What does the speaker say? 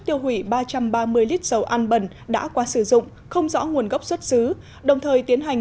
tiêu hủy ba trăm ba mươi lít dầu ăn bẩn đã qua sử dụng không rõ nguồn gốc xuất xứ đồng thời tiến hành